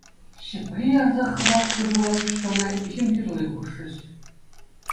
Ҫӗпре ярса хӑпартнӑ пылак чустана иҫӗм ҫырли хушрӗҫ.